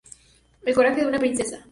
El coraje de una princesa".